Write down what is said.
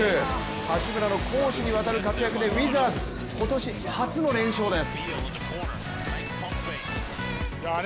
八村の攻守にわたる活躍でウィザーズ、今年初の連勝です。